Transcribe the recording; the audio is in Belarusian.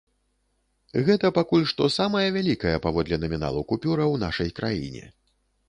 Гэта пакуль што самая вялікая паводле наміналу купюра ў нашай краіне.